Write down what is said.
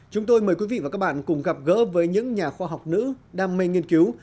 chúng tôi mời quý vị và các bạn cùng gặp gỡ với những nhà khoa học nữ đam mê nghiên cứu